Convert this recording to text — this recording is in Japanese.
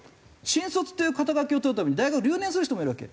新卒っていう肩書を取るために大学留年する人もいるわけ。